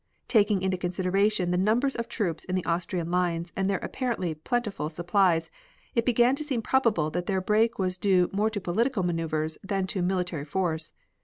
Taking into consideration the numbers of troops in the Austrian lines and their apparently plentiful supplies, it began to seem probable that their break was due more to political maneuvers than to military force.